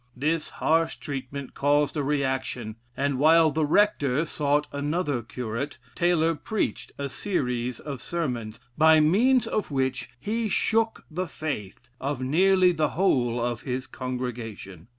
This harsh treatment caused a reaction, and while the rector sought another curate, Taylor preached a series of sermons, by means of which he shook the faith of nearly the whole of his congregation.